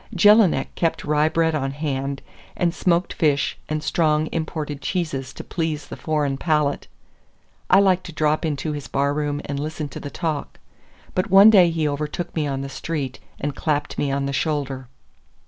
Jelinek kept rye bread on hand, and smoked fish and strong imported cheeses to please the foreign palate. I liked to drop into his bar room and listen to the talk. But one day he overtook me on the street and clapped me on the shoulder.